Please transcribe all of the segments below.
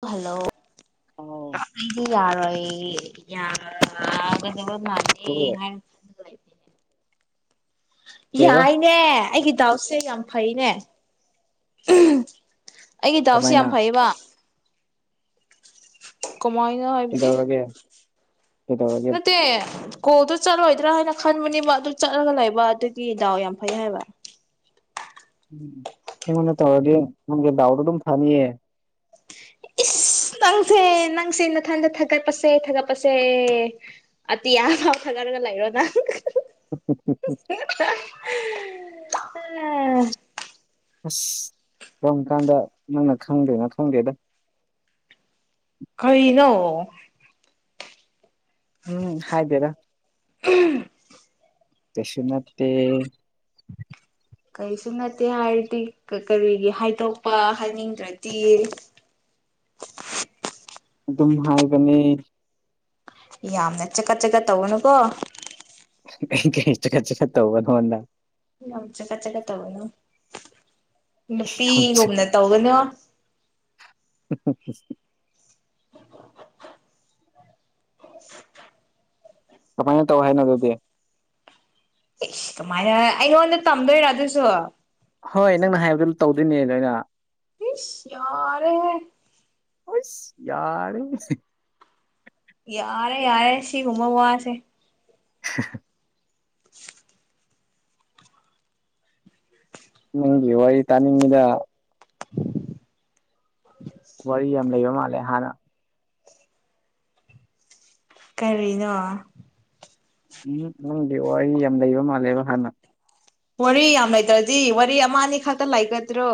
hello ꯑ ꯑꯩꯗꯤ ꯌꯥꯔꯣꯏ ꯌꯥꯔꯒꯗꯧꯕ ꯃꯥꯥꯟꯂꯦ ꯀꯩꯕ ꯌꯥꯏ ꯑꯦ ꯑꯩꯒꯤ ꯗꯥꯎꯠꯁꯦ ꯌꯥꯝ ꯐꯩꯅꯦ ꯑꯩꯒꯤ ꯗꯥꯎꯁꯤ ꯀꯃꯥꯏꯅ ꯌꯥꯝ ꯐꯩꯌꯦꯕ ꯀꯃꯥꯏꯅ ꯍꯥꯏꯕꯗꯤ ꯀꯩꯗꯧꯔꯒꯦ ꯀꯩꯗꯧꯔꯒꯦ ꯃꯠꯇꯦ ꯀꯣꯜꯗꯣ ꯆꯠꯂꯣꯏꯗ꯭ꯔꯥ ꯍꯥꯏꯅ ꯈꯟꯕꯅꯦꯕ ꯑꯗꯨ ꯆꯠꯂꯒ ꯂꯩꯕ ꯑꯗꯨꯒꯤ ꯗꯥꯎ ꯌꯥꯝ ꯐꯩ ꯍꯥꯏꯕ ꯎꯝ ꯑꯩꯉꯣꯟꯗ ꯇꯧꯔꯗꯤ ꯅꯪꯒꯤ ꯗꯥꯎꯗꯣ ꯑꯗꯨꯝ ꯐꯅꯤꯌꯦ ꯏꯁ ꯅꯪꯁꯦ ꯅꯪꯁꯦ ꯅꯊꯟꯗ ꯊꯥꯒꯠꯄꯁꯦ ꯊꯥꯒꯠꯄꯁꯦ ꯑꯇꯤꯌꯥ ꯐꯥꯎ ꯊꯥꯒꯔꯒ [unintelligible] ꯂꯩꯔꯣ ꯅꯪ ꯎ ꯎ ꯎ ꯎ [unintelligible] ꯎꯝ [unintelligible] ꯑꯁ ꯀꯝ ꯀꯥꯟꯗ ꯅꯪꯅ ꯈꯪꯗꯣꯏꯅꯣ ꯈꯪꯗꯦꯗ ꯀꯩꯅꯣ ꯎꯝ ꯍꯥꯏꯗꯦꯗ [inaudible] ꯀꯩꯁꯨ ꯅꯠꯇꯦ ꯀꯔꯤꯁꯨ ꯅꯠꯇꯦ ꯍꯥꯏꯔꯗꯤ ꯀꯔꯤꯒꯤ ꯍꯥꯏꯗꯣꯛꯄ ꯍꯥꯏꯅꯤꯡꯗ꯭ꯔꯗꯤ ꯑꯗꯨꯝ ꯍꯥꯏꯕꯅꯤ ꯌꯥꯝꯅ ꯆꯀꯠ ꯆꯠꯀꯠ ꯇꯧꯔꯅꯨꯀꯣ ꯏ ꯏꯁ ꯈꯆ ꯇ ꯇꯧꯕ ꯅꯣꯗ ꯆꯠꯀꯠ ꯆꯠꯀꯠ ꯇꯧꯕꯅꯣ ꯅꯨꯄꯤꯒꯨꯝꯅ ꯇꯧꯒꯅꯣ ꯎ [unintelligible] [unintelligible] ꯀꯃꯥꯏꯅ ꯇꯧ ꯍꯥꯏꯅ ꯑꯗꯨꯗꯤ ꯏꯁ ꯀꯃꯥꯏꯅ ꯑꯩꯉꯣꯟꯗ ꯇꯝꯗꯣꯏꯔꯥ ꯑꯗꯨꯁꯨ ꯍꯣꯏ ꯅꯪꯅ ꯍꯥꯏꯕꯗꯨ ꯇꯧꯗꯣꯏꯅꯦ ꯂꯣꯏꯅ ꯏꯁ ꯌꯥꯔꯦꯍꯦ ꯍꯣꯏ [unintelligible] ꯌꯥꯔꯦ ꯌꯥꯔꯦ ꯌꯥꯔꯦ ꯁꯤꯒꯨꯝꯕ ꯋꯥꯁꯦ ꯍ [unintelligible] ꯅꯪꯒꯤ ꯋꯥꯔꯤ ꯇꯅꯤꯡꯉꯤꯗ [inaudible] ꯋꯥꯔꯤ ꯌꯥꯝ ꯂꯩꯕ ꯃꯥꯜꯂꯦ ꯍꯥꯟꯅ ꯀꯔꯤꯅꯣ ꯎꯝ ꯅꯪꯗꯤ ꯋꯥꯔꯤ ꯌꯥꯝ ꯂꯩꯕ ꯃꯥꯜꯂꯦꯕ ꯍꯥꯟꯅ ꯋꯥꯔꯤ ꯌꯥꯝ ꯂꯩꯇ꯭ꯔꯗꯤ ꯋꯥꯔꯤ ꯑꯃ ꯑꯅꯤ ꯈꯛꯇ ꯂꯩꯥꯒꯗ꯭ꯔꯣ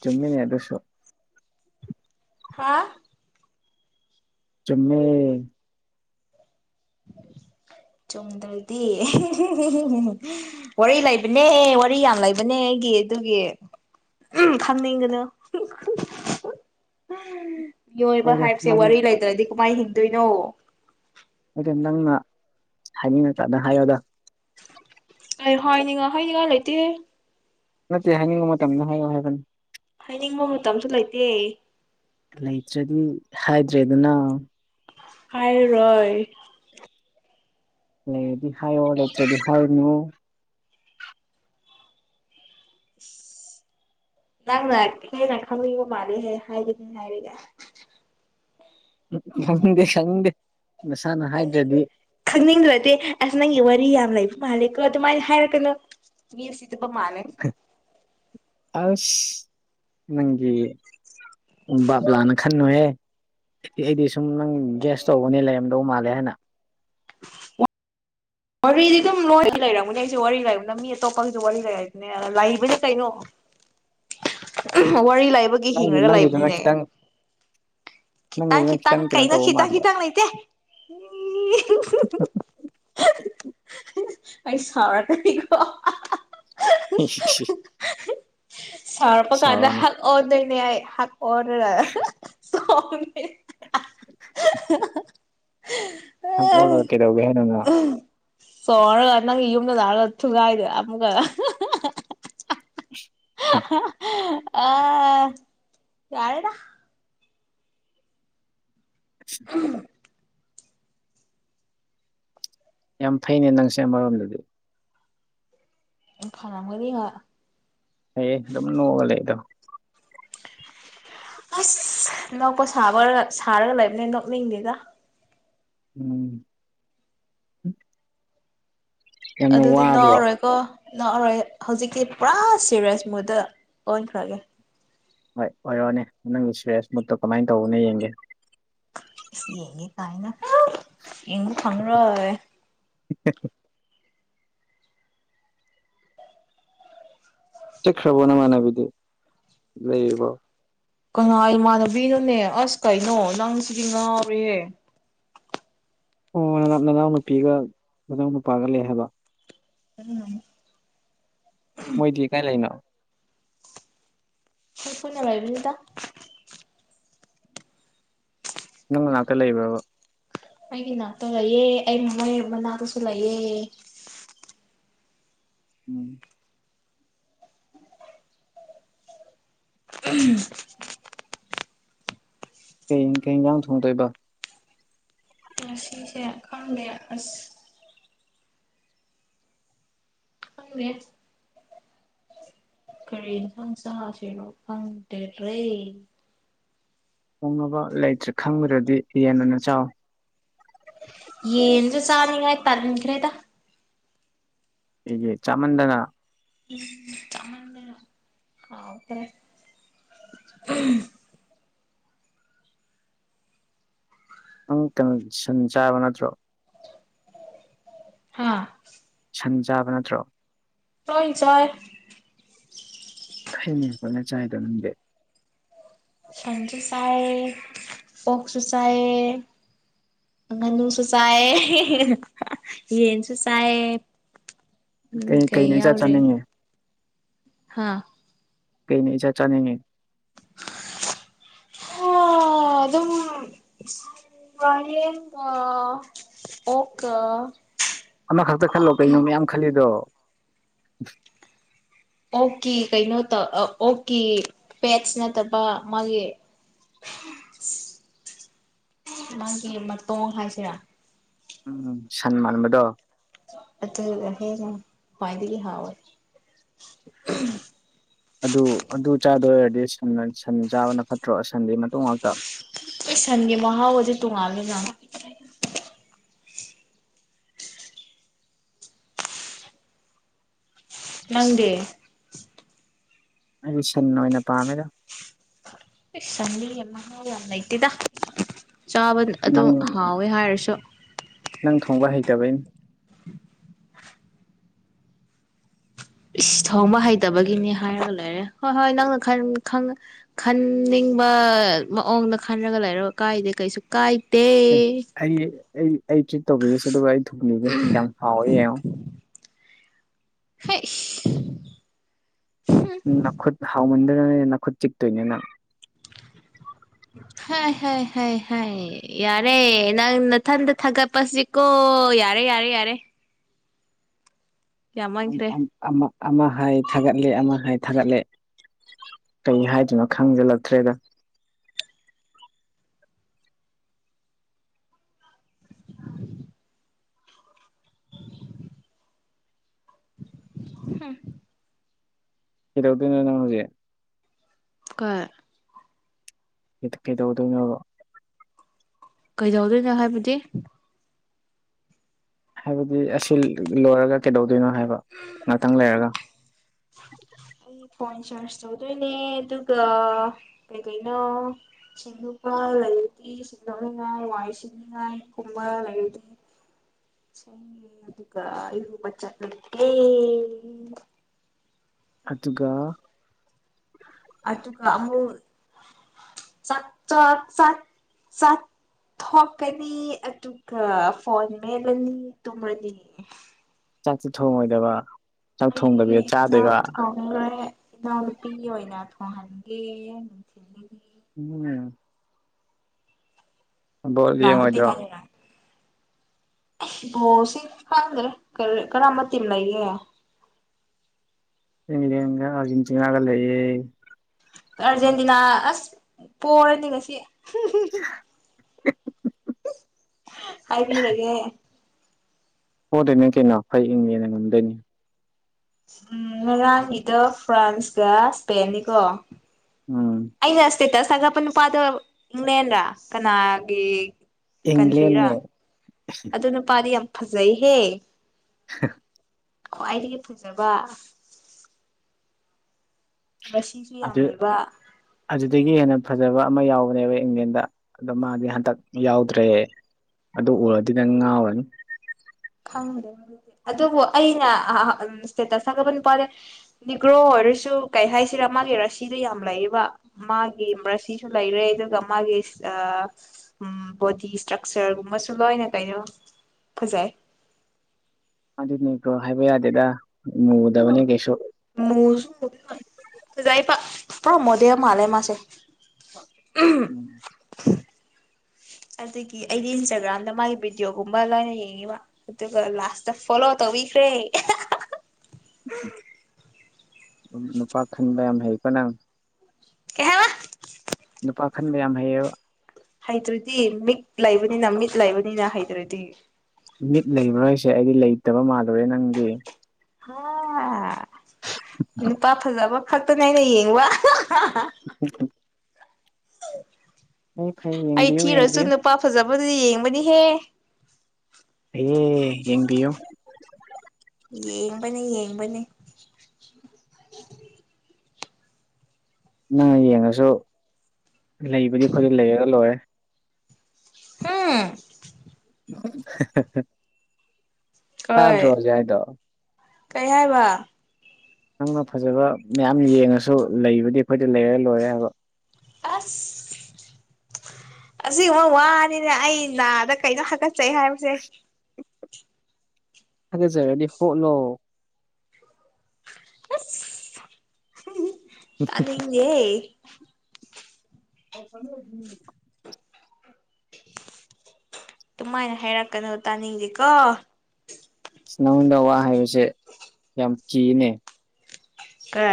ꯆꯨꯝꯃꯤꯅꯦ ꯑꯗꯨꯁꯨ ꯍꯥ ꯆꯨꯝꯃꯦ ꯆꯨꯝꯗ꯭ꯔꯗꯤ ꯋꯥꯔꯤ ꯂꯩꯕꯅꯦ ꯋꯥꯔꯤ ꯌꯥꯝ ꯂꯩꯕꯅꯦ ꯑꯩꯒꯤ ꯑꯗꯨꯒꯤ ꯎꯝ ꯐꯝꯅꯤꯡꯒꯅꯨ [unintelligible] [inaudible] ꯃꯤꯑꯣꯏꯕ ꯍꯣꯏꯗ ꯍꯥꯏꯕꯁꯦ ꯅꯪ ꯋꯥꯔꯤ ꯂꯩꯇ꯭ꯔꯗꯤ ꯀꯃꯥꯏ ꯍꯤꯡꯗꯣꯏꯅꯣ ꯍꯣꯏꯗ ꯅꯪꯅ ꯍꯥꯏꯅꯤꯡꯉꯥ ꯀꯥꯟꯗ ꯍꯥꯏꯌꯣꯗ ꯑꯩ ꯍꯥꯏꯅꯤꯡꯉꯥꯏ ꯍꯥꯏꯅꯤꯡꯉꯥꯏ ꯂꯩꯇꯦꯍꯦ ꯅꯠꯇꯦ ꯍꯥꯏꯅꯤꯡꯕ ꯃꯇꯝꯗ ꯍꯥꯏꯌꯨ ꯍꯥꯏꯕꯅꯤ ꯍꯥꯏꯅꯤꯡꯕ ꯃꯇꯝꯁꯨ ꯂꯩꯇꯦ ꯂꯩꯇ꯭ꯔꯗꯤ ꯍꯥꯏꯗ꯭ꯔꯦꯗꯅ ꯍꯥꯏꯔꯔꯣꯏ ꯂꯩꯔꯗꯤ ꯍꯥꯏꯌꯣ ꯂꯩꯇ꯭ꯔꯗꯤ ꯍꯥꯏ [unintelligible] ꯅꯣ ꯅꯪꯅ ꯈꯦꯅ ꯈꯪꯅꯤꯡꯕ ꯃꯥꯜꯂꯦꯍꯦ ꯍꯥꯏꯔꯒꯦ ꯍꯥꯏꯔꯒꯦ ꯈꯪꯅꯤꯡꯗꯦ ꯈꯪꯅꯤꯡꯗꯦ ꯅꯁꯥꯅ ꯈꯪꯅꯤꯡ ꯍꯥꯏꯗ꯭ꯔꯗꯤ ꯈꯪꯅꯤꯡꯗꯔꯗꯤ ꯑꯁ ꯅꯪꯒꯤ ꯋꯥꯔꯤ ꯌꯥꯝ ꯂꯩꯕ ꯃꯥꯜꯂꯦꯀꯣ ꯑꯗꯨꯃꯥꯏꯅ ꯍꯥꯏꯔꯛꯀꯅꯨ ꯃꯤ ꯎꯁꯤꯠꯇꯕ ꯃꯥꯜꯂꯦ ꯑꯁ ꯅꯪꯒꯤ ꯎꯝ ꯚꯥꯞ ꯂꯥꯟꯅ ꯈꯟꯅꯨꯍꯦ ꯏꯑꯩꯗꯤ ꯁꯨꯝ ꯅꯪ ꯒ꯭ꯌꯥꯁ ꯇꯧꯕꯅꯦ ꯂꯩꯔꯝꯗꯧ ꯃꯥꯜꯂꯦ ꯍꯥꯏꯅ ꯋꯥꯔꯤꯗꯤ ꯑꯗꯨꯝ ꯂꯣꯏ ꯂꯩꯔꯝꯒꯅꯤ ꯑꯩꯁꯨ ꯋꯥꯔꯤ ꯂꯩꯕꯅ ꯃꯤ ꯑꯇꯣꯞꯄꯒꯤꯁꯨ ꯋꯥꯔꯤ ꯂꯩꯔꯏꯕꯅꯦ ꯂꯩꯕꯅꯦ ꯀꯩꯅꯣ ꯋꯥꯔꯤ ꯂꯥꯏꯕꯒꯤ ꯅꯪꯒꯤ ꯍꯤꯡꯉꯒ ꯅꯪꯒꯤꯗꯨꯅ ꯂꯩꯕꯅꯤꯅꯦ ꯈꯤꯇꯪ ꯈꯤꯇꯥ ꯅꯪꯒꯤꯗꯨꯅ ꯈꯤꯇꯪ ꯀꯩꯅꯣ ꯀꯩꯅ ꯇꯧꯕ ꯈꯈꯤꯇꯪ ꯃꯥꯟꯕ ꯈꯤꯇꯪ ꯂꯩꯇꯦ ꯑꯩ ꯁꯥꯎꯔꯛ ꯀꯅꯤꯀꯣ [unintelligible] ꯁꯥꯎꯔꯛꯄ ꯀꯥꯟꯗ ꯁꯥꯎꯔꯛꯑꯅꯤ ꯍꯛ ꯑꯣꯟꯗꯣꯏꯅꯦ ꯑꯩ ꯍꯛ ꯑꯣꯗꯔ [unintelligible] [unintelligible] ꯍꯛ ꯂꯣꯜꯂꯒ ꯀꯩꯗꯧꯒꯦ ꯍꯥꯏꯅꯣ ꯅꯪ ꯁꯣꯔꯒ ꯅꯪꯒꯤ ꯌꯨꯝꯗ ꯂꯥꯛꯑꯒ ꯊꯨꯒꯥꯏꯗꯣꯏ ꯑꯃꯨꯛꯀ [unintelligible] [unintelligible] ꯑ ꯌꯥꯔꯦꯗ [inaudible] ꯌꯥꯝ ꯐꯩꯅꯦ ꯅꯪꯁꯦ ꯑꯃꯔꯣꯝꯗꯗꯤ ꯐꯔꯝꯃꯅꯤ ꯍꯥ ꯐꯩꯌꯦ ꯑꯗꯨꯝ ꯅꯣꯑꯒ ꯂꯩꯗꯣ ꯑꯁ ꯅꯣꯛꯄ ꯁꯥꯕꯔ ꯁꯥꯔꯒ ꯂꯩꯕꯅꯦ ꯅꯣꯛꯅꯤꯡꯗꯦꯗ ꯎꯝ ꯌꯥꯝꯅ ꯑꯗꯨꯗꯤ ꯋꯥꯕ꯭ꯔꯣ ꯅꯣꯑꯔꯣꯏ ꯀꯣ ꯅꯣꯛꯑꯔꯣꯏ ꯍꯧꯖꯤꯛꯇꯤ ꯄꯨꯔꯥ ꯁꯤꯔꯦꯁ ꯃꯨꯠꯗ ꯑꯣꯟꯈ꯭ꯔꯒꯦ ꯍꯣꯏ ꯑꯣꯏꯔꯛꯑꯣꯅꯦ ꯅꯪꯒꯤ ꯁꯤꯔꯦꯁ ꯃꯨꯠꯇꯣ ꯀꯃꯥꯏꯅ ꯇꯧꯕꯅꯣ ꯌꯦꯡꯒꯦ ꯏꯁ ꯌꯦꯡꯒꯦ ꯀꯥꯏꯅ ꯌꯦꯡꯕ ꯐꯪꯉꯔꯣꯏ [inaudible] ꯆꯠꯈ꯭ꯔꯕꯣ ꯅꯃꯥꯟꯅꯕꯤꯗꯤ ꯂꯩꯔꯤꯕꯣ ꯀꯅꯥꯏ ꯏꯃꯥꯟꯅꯕꯤꯅꯣꯅꯦ ꯑꯁ ꯀꯩꯅꯣ ꯅꯪ ꯁꯤꯗꯤ ꯉꯥꯎꯔꯦꯍꯦ ꯑꯣ ꯅꯅꯥꯎ ꯅꯅꯥꯎ ꯅꯨꯄꯤꯒ ꯅꯅꯥꯎ ꯅꯨꯄꯥꯒ ꯂꯩ ꯍꯥꯏꯕ [unintelligible] ꯃꯣꯏꯗꯤ ꯀꯥꯏ ꯂꯩꯅꯣ ꯁꯣꯏ ꯐꯣꯏꯅꯔꯥꯏꯕꯗ ꯅꯪ ꯅꯅꯥꯛꯇ ꯂꯩꯕ꯭ꯔꯥꯕ ꯑꯩꯒꯤ ꯅꯥꯛꯇ ꯂꯩꯑꯦ ꯑꯩ ꯃꯣꯏ ꯃꯅꯥꯗꯨꯁꯨ ꯂꯩꯑꯦ ꯎꯝ [unintelligible] ꯀꯩ ꯀꯩꯟꯖꯥꯡ ꯊꯣꯡꯗꯣꯏꯕ ꯉꯁꯤꯁꯦ ꯈꯪꯗꯦ ꯑꯁ ꯈꯪꯗꯦ ꯀꯔꯤ ꯏꯟꯁꯥꯡ ꯆꯥꯁꯤꯅꯣ ꯈꯪꯗꯦꯗ꯭ꯔꯦ ꯊꯣꯡꯅꯕ ꯂꯩꯇ꯭ꯔꯦ ꯈꯪꯗ꯭ꯔꯗꯤ ꯌꯦꯟ ꯑꯣꯏꯅ ꯆꯥꯎ ꯌꯦꯟꯖꯨ ꯆꯥꯅꯤꯉꯥꯏ ꯇꯟꯈ꯭ꯔꯦꯗ ꯑꯩꯒꯤ ꯆꯥꯃꯟꯗꯅ ꯎꯝ ꯆꯃꯟꯗꯅ ꯀꯥꯎꯈ꯭ꯔꯦ [unintelligible] ꯅꯪ ꯇ ꯁꯟ ꯆꯥꯕ ꯅꯠꯇ꯭ꯔꯣ ꯍꯥꯥ ꯁꯟ ꯆꯥꯕ ꯅꯠꯇ꯭ꯔꯣ ꯂꯣꯏꯟ ꯆꯥꯏ ꯈꯩꯅꯦ ꯍꯣꯠꯅ ꯆꯥꯏꯗꯣ ꯅꯪꯗꯤ ꯁꯟꯖꯨ ꯆꯥꯌꯦ ꯑꯣꯛꯁꯨ ꯆꯥꯌꯦ ꯉꯅꯨꯁꯨꯨ ꯆꯥꯌꯦ ꯌꯦꯟꯁꯨꯨ ꯆꯥꯌꯦ ꯎꯝ ꯀꯩ ꯀꯩꯅ ꯏꯆꯥ ꯌꯥꯎꯔꯤ ꯆꯥꯅꯤꯡꯉꯤ ꯍꯥꯥ ꯀꯩꯅ ꯏꯆꯥ ꯆꯥꯅꯤꯡꯉꯤ ꯑꯗꯨꯝ ꯋꯥ ꯌꯦꯟꯒ ꯑꯣꯛꯀ ꯑꯃꯈꯛꯇ ꯈꯜꯂꯣ ꯀꯩꯅꯣ ꯃꯌꯥꯝ ꯈꯜꯂꯤꯗꯣ ꯑꯣꯛꯀꯤ ꯀꯩꯅꯣ ꯇ ꯑꯣꯛꯀꯤ ꯄꯦꯠꯁ ꯅꯠꯇꯕ ꯃꯥꯒꯤ ꯃꯥꯒꯤ ꯃꯇꯣꯡ ꯍꯥꯏꯁꯤꯔꯥ ꯎꯝ ꯁꯟ ꯃꯥꯟꯕꯗꯣ ꯑꯗꯨꯅ ꯍꯦꯟꯅꯥ ꯈꯋ꯭ꯥꯏꯗꯒꯤ ꯍꯥꯎꯏ ꯑꯗꯨ ꯑꯗꯨ ꯆꯥꯗꯣꯏ ꯑꯣꯏꯔꯗꯤ ꯁꯟꯅ ꯁꯟ ꯆꯥꯕꯅ ꯐꯠꯇ꯭ꯔꯣ ꯁꯟꯗꯤ ꯃꯇꯣꯡ ꯉꯥꯛꯇ ꯁꯟꯒꯤ ꯃꯍꯥꯎꯒꯗꯤ ꯇꯣꯉꯥꯟꯂꯦꯗ [inaudible] ꯅꯪꯗꯤ ꯑꯩꯗꯤ ꯁꯟꯅ ꯑꯣꯏꯅ ꯄꯥꯝꯃꯦꯗ ꯑ ꯁꯟꯗꯤ ꯌꯥꯝ ꯃꯍꯥꯎ ꯌꯥꯝ ꯂꯩꯇꯦꯗ ꯆꯥꯕ ꯑꯗꯨꯝ ꯅꯪ ꯍꯥꯎꯋꯦ ꯍꯥꯏꯔꯁꯨ ꯅꯪ ꯊꯣꯡꯕ ꯍꯩꯇꯕꯩꯩꯅꯤ ꯏꯁ ꯊꯣꯡꯕ ꯍꯩꯇꯕꯒꯤꯅꯤ ꯍꯥꯏꯔꯒ ꯂꯩꯔꯦ ꯍꯣꯏ ꯍꯣꯏ ꯅꯪꯅ [unintelligible] ꯈꯪ ꯈꯟꯅꯤꯡꯕ ꯃꯑꯣꯡꯗ ꯈꯟꯔꯒ ꯂꯩꯔꯣ ꯀꯥꯏꯗꯦ ꯀꯩꯁꯨ ꯀꯥꯏꯇꯦ ꯑꯦ ꯑꯩ ꯑꯩ ꯑꯩ ꯇ꯭ꯔꯤꯠ ꯇꯧꯕꯤꯒꯦꯁꯦ ꯑꯗꯨꯒ ꯑꯩ ꯊꯣꯡꯕꯤꯒꯦ ꯀꯌꯥꯝ ꯍꯥꯎꯋꯦ ꯌꯦꯡꯉꯣ ꯍꯩꯁ ꯅꯈꯨꯠ ꯍꯥꯎꯃꯟꯗꯅꯅꯦ ꯅꯈꯨꯠ ꯆꯤꯛꯇꯣꯏꯅꯦ ꯅꯪ ꯍꯩ ꯍꯥꯏ ꯍꯥꯏ ꯍꯥꯏ ꯌꯥꯔꯦ ꯅꯪ ꯃꯊꯟꯗ ꯊꯥꯒꯠꯄꯁꯤꯀꯣ ꯌꯥꯔꯦ ꯌꯥꯔꯦ ꯌꯥꯔꯦ ꯑꯝ ꯌꯥꯝꯃꯟꯈ꯭ꯔꯦ ꯑꯝ ꯑꯃ ꯑꯃ ꯍꯥꯏ ꯊꯥꯒꯠꯂꯦ ꯑꯃ ꯍꯥꯏ ꯊꯥꯒꯠꯂꯦ ꯀꯩ ꯍꯥꯏꯗꯣꯏꯅꯣ ꯈꯪꯖꯤꯜꯂꯛꯇ꯭ꯔꯦꯗ ꯍꯝ ꯀꯩꯗꯧꯗꯣꯏꯅꯣ ꯅꯪ ꯍꯧꯖꯤꯛ ꯀꯩ ꯏꯠ ꯀꯩꯗꯧꯗꫭꯏꯅꫭꯕ ꯀꯩꯗꯧꯗꯣꯏꯅꯣ ꯍꯥꯏꯕꯗꯤ ꯍꯥꯏꯕꯗꯤ ꯑꯁꯤ ꯂꯣꯏꯔꯒ ꯀꯩꯗꯧꯗꯣꯏꯅꯣ ꯍꯥꯏꯕ ꯉꯥꯛꯇꯪ ꯂꯩꯔꯒ ꯑꯩ ꯐꯣꯟ ꯆꯥꯔꯖ ꯇꯧꯗꯣꯏꯅꯦ ꯑꯗꯨꯒ ꯀꯩꯀꯩꯅꯣ ꯁꯤꯡꯖꯨꯄꯥꯟ ꯂꯩꯔꯗꯤ ꯁꯤꯁꯤꯡꯗꯣꯅꯤꯉꯥꯏ ꯋꯥꯏꯁꯤꯅꯤ ꯉꯥꯏ ꯀꯨꯝꯕ ꯂꯩꯔꯗꯤ ꯑꯗꯨꯒ ꯏꯔꯨꯕ ꯆꯠꯂꯒꯦ ꯑꯗꯨꯒ ꯑꯗꯨꯒ ꯑꯃꯨꯛ ꯆꯥꯛ ꯆ ꯆꯥꯛ ꯆꯥꯛ ꯊꯣꯛꯀꯅꯤ ꯑꯗꯨꯒ ꯐꯣꯟ ꯃꯦꯟ ꯃꯦꯠꯂꯅꯤ ꯇꯨꯝꯃꯅꯤ ꯆꯥꯛꯇꯤ ꯊꯣꯡꯉꯣꯏꯗꯕ ꯆꯥꯛ ꯊꯣꯡꯗꯕꯤꯗ ꯆꯥꯗꯣꯏꯕ ꯊꫭꯡꯂꫭꯏꯔꯦ ꯏꯅꯥꯎꯅꯨꯄꯤꯒꯤ ꯑꯣꯏꯅ ꯊꯣꯡꯍꯟꯒꯦ ꯅꯨꯡꯊꯤꯜꯒꯤ ꯊꫭꯡꯉꯨꯀꯩꯅꫭ ꯕꯣꯜ ꯂꯥꯛꯑꯗꯤ ꯌꯦꯡꯉꯣꯏꯗ꯭ꯔꯣ ꯈꯪꯉꯤꯅ ꯕꯣꯜꯁꯤ ꯈꯪꯗ꯭ꯔꯦ ꯀꯔꯝꯕ ꯇꯤꯝ ꯂꯩꯒꯦ ꯏꯪꯂꯦꯟꯒ ꯑꯥꯔꯖꯦꯟꯇꯤꯅꯒ ꯂꯩꯋꯦ ꯑꯔꯖꯦꯟꯇꯤꯅꯥ ꯑꯁ ꯄꯣꯔꯅꯤ ꯉꯁꯤ [unintelligible] ꯍꯥꯏꯕꯤꯔꯒꯦ ꯄꫭꯗꫭꯏꯅꯤ ꯀꯩꯅꯣ ꯑꯩꯈꫭꯏ ꯏꯪꯂꯦꯟꯅ‌ ꯉꯝꯗꫭꯏꯅꯤ ꯎꯝ ꯉꯔꯥꯡꯒꯤꯗꫭ ꯐ꯭ꯔꯥꯟꯁꯀ ꯏꯁꯄꯦꯟꯅꯤꯀꯣ ꯎꯝ ꯑꯩꯅ ꯏꯁꯇꯦꯇꯁ ꯊꯥꯒꯠꯄ ꯅꯨꯄꯥꯗꫭ ꯏꯪꯂꯦꯟꯗ ꯀꯅꯥꯒꯤ ꯀꯟꯇ꯭ꯔꯤꯔꯥ ꯏꯪꯂꯦꯟꯅꯦ ꯑꯗꯨ ꯅꯨꯄꯥꯗꯤ ꯌꯥꯝ ꯐꯖꯩꯍꯦ [unintelligible] ꯈ꯭ꯋꯥꯏꯗꯒꯤ ꯐꯖꯕ ꯔꯁꯤꯁꯨ ꯌꯥꯝ ꯑꯗꯨ ꯂꯩꯕ ꯑꯗꯨꯗꯒꯤ ꯍꯦꯟꯅ ꯐꯖꯕ ꯑꯃ ꯌꯥꯎꯕꯅꯦꯕ ꯏꯪꯂꯦꯟꯗ ꯑꯗꯣ ꯃꯥꯗꯤ ꯍꯟꯇꯛ ꯌꯥꯎꯗ꯭ꯔꯦ ꯑꯗꯨ ꯎꯔꯗꯤ ꯅꯪ ꯉꯥꯎꯔꯅꯤ ꯈꯪꯗꯦ ꯑꯗꯨꯕꯨ ꯑꯩꯅ ꯏꯁꯇꯦꯇꯁ ꯊꯒꯠꯄ ꯅꯨꯄꯥꯗꯤ ꯅꯤꯒ꯭ꯔꯣ ꯑꯣꯏꯔꯁꯨ ꯀꯩ ꯍꯥꯏꯁꯤꯔꯥ ꯃꯥꯒꯤ ꯔꯥꯁꯤꯗꯣ ꯌꯥꯝ ꯂꯩꯕ ꯃꯥꯒꯤ ꯔꯥꯁꯤꯁꯨ ꯂꯩꯔꯦ ꯑꯗꯨꯒ ꯃꯥꯒꯤ ꯑ ꯎꯝ ꯕꯣꯗꯤ ꯏꯁꯇ꯭ꯔꯛꯆꯔꯒꯨꯝꯕꯁꯨ ꯂꯣꯏꯅ ꯀꯩꯅꯣ ꯐꯖꯩ ꯑꯗꯨ ꯅꯦꯒꯔꫭ ꯍꯥꯏꯕ ꯌꯥꯗꯦꯗ ꯃꯨꯗꯕꯅꯦ ꯀꯩꯁꯨ ꯃꯨꯁꯨ ꯐꯖꯩꯄ ꯄꯨꯔꯥ ꯃꯣꯗꯦꯜ ꯃꯥꯜꯂꯦ ꯃꯥꯁꯦ ꯎꯝ ꯑꯗꯒꯤ ꯑꯩꯗꯤ ꯏꯟꯁꯇꯥꯒ꯭ꯔꯥꯝꯗ ꯃꯥꯒꯤ ꯚꯤꯗꯤꯑꯣꯒꯨꯝꯕ ꯂꯣꯏꯅ ꯌꯦꯡꯉꯤꯕ ꯑꯗꯨꯒ ꯂꯥꯁꯇ ꯐꫭꯂꫭ ꯇꯧꯕꯤꯈꯔꯦ ꯁꯨꯝ ꯅꯨꯄꯥ ꯈꯟꯕ ꯌꯥꯝ ꯍꯩꯀꯣ ꯅꯪ ꯀꯩ ꯍꯥꯏꯕ ꯅꯨꯄꯥ ꯈꯟꯕ ꯌꯥꯝ ꯍꯩꯌꯦꯕ ꯍꯩꯇ꯭ꯔꯗꯤ ꯃꯤꯠ ꯂꯩꯕꯅꯤꯅ ꯃꯤꯠ ꯂꯩꯕꯅꯤꯅ ꯍꯩꯇ꯭ꯔꯗꯤ ꯃꯤꯠ ꯂꯩꯕ꯭ꯔꯥ ꯍꯥꯏꯁꯦ ꯑꯩꯗꯤ ꯂꯩꯇꯕ ꯃꯥꯜꯂꯨꯔꯦ ꯅꯪꯗꯤ ꯍꯥ ꯅꯨꯄꯥ ꯐꯖꯕ ꯈꯛꯇꯅꯦ ꯑꯩꯅ ꯌꯦꯡꯕ ꯎ [unintelligible] ꯐꯩ ꯐꯩ ꯑꯩ ꯌꯦꯡꯕꯤꯌꯨ ꯊꯤꯔꯁꯨ ꯌꯦꯡꯕꯤꯌꯨ ꯅꯨꯄꯥ ꯐꯖꯕꯗꯨꯗꯤ ꯌꯦꯡꯕꯅꯤꯍꯦ ꯐꯩꯌꯦ ꯌꯦꯡꯕꯤꯌꯨ ꯌꯦꯡꯕꯅꯦ ꯌꯦꯡꯕꯅꯦ ꯅꯪꯅ ꯌꯦꯡꯉꯁꯨ ꯂꯩꯕꯗꯤ ꯑꯩꯈꫭꯏꯗ ꯂꯩꯔꯒ ꯂꯣꯏꯔꯦ ꯍꯝ [inaudible] ꯀꯩ ꯇꯥꯗ꯭ꯔꯣ ꯍꯧꯖꯤꯛ ꯍꯥꯏꯗꯣ ꯀꯩ ꯍꯥꯏꯕ ꯅꯪꯅ ꯐꯖꯕ ꯃꯌꯥꯝ ꯌꯦꯡꯉꯁꯨ ꯂꯩꯕꯗꯤ ꯑꯩꯈꯣꯏꯗꯤ ꯂꯩꯔꯦ ꯂꯣꯏꯔꯦ ꯍꯥꯏꯕ ꯑꯁ ꯑꯁꯤꯕ ꯋꯥꯅꯤꯅꯦ ꯑꯩ ꯅꯥꯗ ꯀꯩꯅ ꯍꯥꯀꯠꯆꯩ ꯍꯥꯏꯕꯁꯦ ꯊꯒꯦꯁꯦ ꯔꯗꯤ ꯍꯣꯂꯣ ꯇꯅꯤꯦ ꯍ ꯀ ꯀꯃꯥꯏꯅ ꯍꯥꯏꯔꯛꯀꯅꯣ ꯇꯥꯅꯤꯡꯗꯦꯀꯣ ꯅꯉꯣꯟꯗ ꯋꯥ ꯍꯥꯏꯕꯁꯦ ꯌꯥꯝ ꯀꯤꯅꯦ ꯀ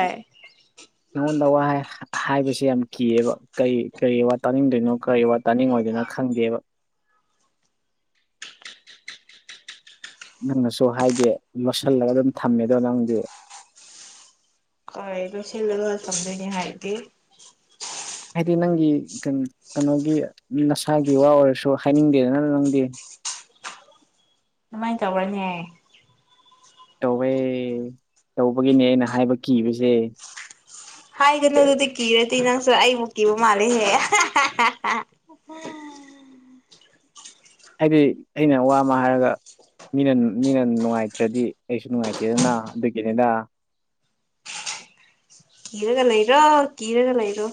ꯅꯉꯣꯟꯗ ꯋꯥ ꯍꯥꯏꯕꯕꯁꯤꯦ ꯌꯥꯝ ꯀꯤꯑꯕ ꯀꯩ ꯀꯔꯤ ꯋꯥ ꯇꯥꯅꯤꯡꯗꯣꯏꯅꯣ ꯀꯔꯤ ꯋꯥꯠ ꯇꯥꯅꯤꯡꯉꯗꯨꯅ ꯈꯪꯗꯦꯕ ꯅꯪꯅꯁꯨ ꯍꯥꯏꯗꯤ ꯂꯣꯠꯁꯤꯜꯂꯒ ꯑꯗꯨꯝ ꯊꯝꯃꯦꯗꯣ ꯅꯪꯗꯤ ꯍꯣꯏ ꯂꯣꯏꯁꯤꯜꯂꯒꯂꯝꯝꯗꯣꯏꯅꯦ ꯍꯥꯏꯔꯗꯤꯦ ꯍꯥꯏꯗꯤ ꯅꯪꯒꯤ ꯀꯩꯅꯣꯒꯤ ꯅꯁꯥꯒꯤ ꯋꯥ ꯑꯣꯏꯔꯁꯨ ꯍꯥꯏꯅꯤꯡꯗꯦꯗꯅ ꯅꯪꯗꯤ ꯀꯃꯥꯏꯅ ꯇꯧꯔꯅꯦꯍꯦ ꯇꯧꯋꯦ ꯇꯧꯕꯒꯤꯅꯦ ꯑꯩꯅ ꯍꯥꯏꯕ ꯀꯤꯕꯁꯦ ꯍꯥꯏꯒꯅꯨꯗꯨꯗꯤ ꯀꯤꯔꯗꯤ ꯅꯪꯁꯨ ꯑꯩꯕꯨ ꯀꯤꯕ ꯃꯥꯜꯂꯦꯍꯦ ꯑꯣꯄ ꯍꯥꯏꯗꯤ ꯑꯩꯅ ꯋꯥ ꯑꯃ ꯍꯥꯏꯔꯒ ꯃꯤꯅ ꯃꯤꯅ ꯅꯨꯡꯉꯥꯏꯇ꯭ꯔꯗꯤ ꯑꯩꯁꯨ ꯅꯨꯡꯉꯥꯏꯇꯦꯗꯅ ꯑꯗꯨꯒꯤꯅꯤꯗ ꯀꯔꯒ ꯂꯩꯔꯣ ꯀꯔꯒ ꯂꯩꯔꯣ